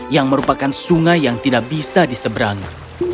dan menggunakan sungai yang tidak bisa diseberangi